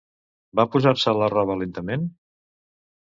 Va posar-se la roba lentament?